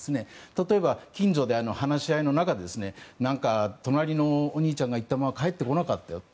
例えば、近所で話し合いの中でなんか、隣のお兄ちゃんが行ったまま帰ってこなかったよと。